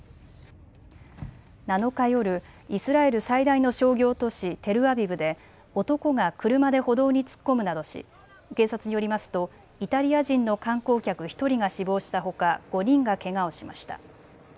７日夜、イスラエル最大の商業都市、テルアビブで男が車で歩道に突っ込むなどし警察によりますとイタリア人の観光客１人が死亡したほか５人がけがをしました。